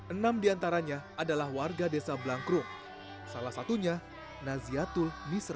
enam di antaranya adalah warga desa belangkring salah satunya naziatul nisra